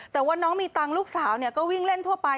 แต่ว่าน้องมีตังค์ลูกสาวก็วิ่งเล่นทั่วไป